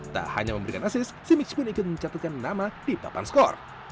tak hanya memberikan asis simics pun ikut mencatutkan nama di papan skor